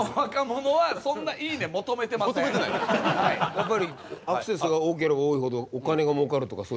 やっぱりアクセスが多ければ多いほどお金が儲かるとかそういうことですか？